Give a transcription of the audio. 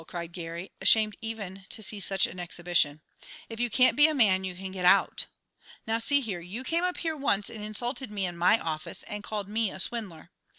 cried Geary, ashamed even to see such an exhibition. "If you can't be a man, you can get out. Now, see here, you came up here once and insulted me in my office, and called me a swindler.